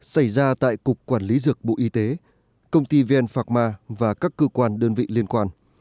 xảy ra tại cục quản lý dược bộ y tế công ty vn phạc ma và các cơ quan đơn vị liên quan